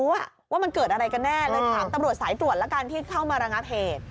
ว่ามันเกิดอะไรกันแน่เลยถามตำรวจสายตรวจแล้วกันที่เข้ามาระงับเหตุ